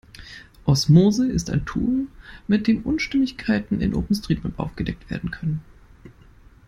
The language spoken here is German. Osmose ist ein Tool, mit dem Unstimmigkeiten in OpenStreetMap aufgedeckt werden können.